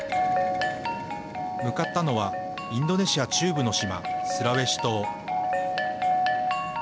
向かったのはインドネシア中部の島、スラウェシ島。